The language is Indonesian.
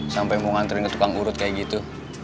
sampai mau nganterin ke tukang urut kayak gitu